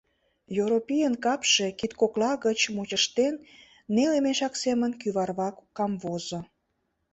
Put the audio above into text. Йоропийын капше, кид кокла гыч мучыштен, неле мешак семын кӱварвак камвозо.